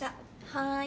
はい。